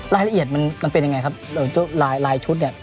รายละเอียดมันเป็นยังไงครับลายชุดเนี่ย